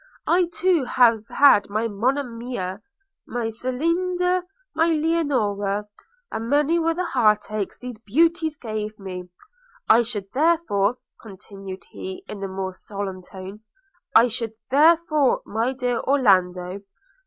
I too have had my Monimia! my Celinda, my Leonora; and many were the heartachs these beauties gave me. I should, therefore,' continued he, in a more solemn tone – 'I should, therefore, my dear Orlando!